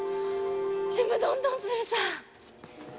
ちむどんどんするさー。